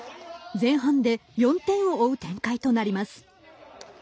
前半で４点を追う展開となります。